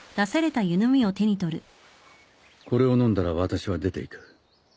これを飲んだら私は出ていく。